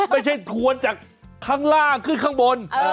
ทวนจากข้างล่างขึ้นข้างบน